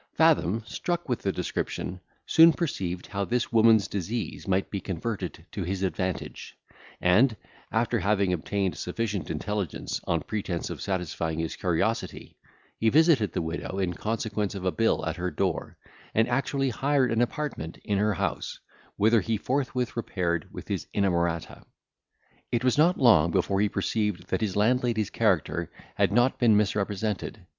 Fathom, struck with the description, soon perceived how this woman's disease might be converted to his advantage; and after having obtained sufficient intelligence, on pretence of satisfying his curiosity, he visited the widow, in consequence of a bill at her door, and actually hired an apartment in her house, whither he forthwith repaired with his inamorata. It was not long before he perceived that his landlady's character had not been misrepresented.